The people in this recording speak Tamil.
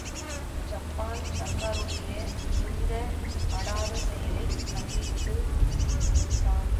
ஜப்பான் சர்க்காருடைய இந்த அடாத செயலைக் கண்டித்து தாம்.